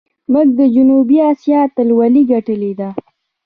موږ د جنوبي آسیا اتلولي ګټلې ده.